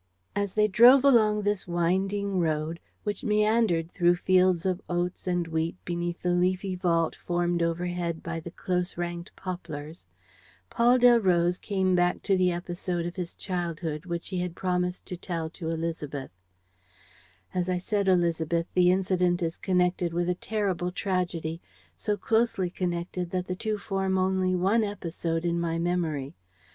As they drove along this winding road, which meandered through fields of oats and wheat beneath the leafy vault formed overhead by the close ranked poplars, Paul Delroze came back to the episode of his childhood which he had promised to tell to Élisabeth: "As I said, Élisabeth, the incident is connected with a terrible tragedy, so closely connected that the two form only one episode in my memory.